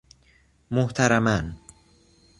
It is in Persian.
محترما ً